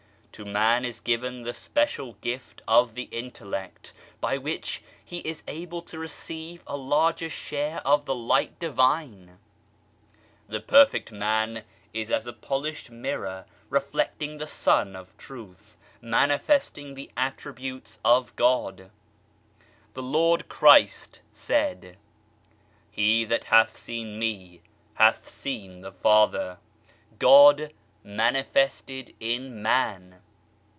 To man is given the special gift of the Intellect by which he is able to receive a larger share of the Light Divine. The Perfect Man is as a polished mirror reflecting the Sun of Truth, manifesting the Attributes of God. The Lord Christ said, " He that hath seen Me hath seen the Father " God manifested in Man.